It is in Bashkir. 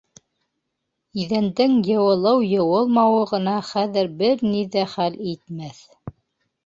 Иҙәндең йыуылыу-йыуылмауы ғына хәҙер бер ни ҙә хәл итмәҫ.